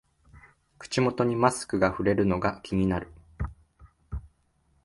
口元にマスクがふれるのが気になる